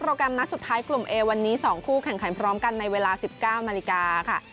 แกรมนัดสุดท้ายกลุ่มเอวันนี้๒คู่แข่งขันพร้อมกันในเวลา๑๙นาฬิกาค่ะ